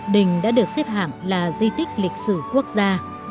đình đã được xếp hạng là di tích lịch sử quốc gia